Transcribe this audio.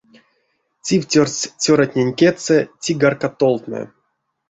Цивтёрдсть цёратнень кедьсэ цигарка толтнэ.